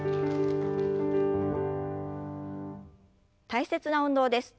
大切な運動です。